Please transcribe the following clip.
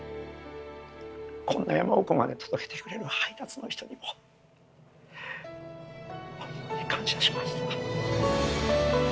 こんな山奥まで届けてくれる配達の人にもほんまに感謝しました。